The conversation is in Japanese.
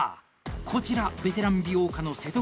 こちら「ベテラン美容家」の瀬戸口。